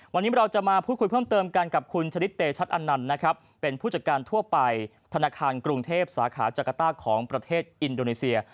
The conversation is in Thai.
วันนี้เราจะมาพูดคุยเพิ่มเติมกันกับคุณชลิดเตชัตอันนันต์นะครับเป็นผู้จัดการทั่วไปธนาคารกรุงเทพสาขาจักรต้าของประเทศอินโดนีเซีย